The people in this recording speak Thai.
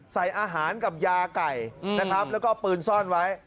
ใส่อาหารกับยาไก่นะครับแล้วก็เอาปืนซ่อนไว้